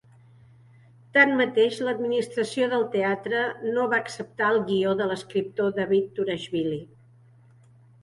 Tanmateix, l'administració del teatre no va acceptar el guió de l'escriptor David Turashvili.